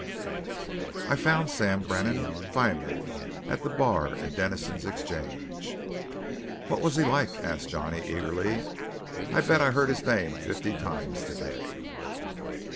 "I found Sam Brannan, finally, at the bar in Dennison's Exchange." "What was he like?" asked Johnny eagerly. "I'll bet I heard his name fifty times to day."